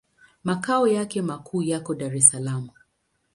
Makao yake makuu yako Dar es Salaam.